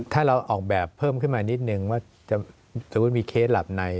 ถ้าเราออกแบบเพิ่มขึ้นมานิดนึงว่าสมมุติมีเคสหลับใน